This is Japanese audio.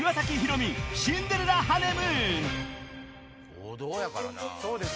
王道やからな。